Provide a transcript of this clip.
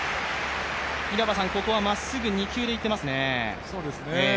稲葉さん、ここはまっすぐ２球でいってますね